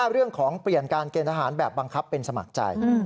เรื่องของเปลี่ยนการเกณฑ์ทหารแบบบังคับเป็นสมัครใจ